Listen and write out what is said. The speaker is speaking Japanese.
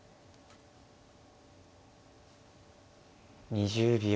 ２０秒。